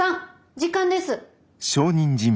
時間です。